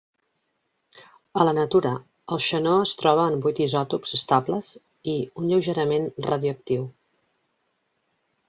A la natura, el xenó es troba en vuit isòtops estables i un lleugerament radioactiu.